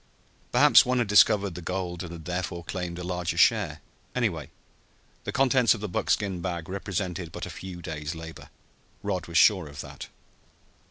Perhaps one had discovered the gold and had therefore claimed a larger share. Anyway, the contents of the buckskin bag represented but a few days' labor. Rod was sure of that.